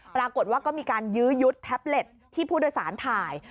ปรากฏว่าก็มีการยื้อยุดแท็บเล็ตที่ผู้โดยสารถ่าย